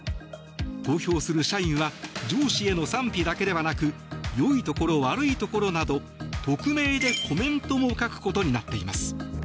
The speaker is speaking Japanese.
投票する社員は上司への賛否だけではなく良いところ悪いところなど匿名でコメントも書くことになっています。